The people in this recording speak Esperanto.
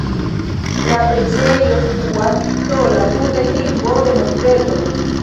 La preĝejo situas sola sur deklivo de monteto.